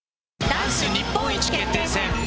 ダンス日本一決定戦。